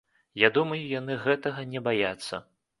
Я думаю, яны гэтага не баяцца.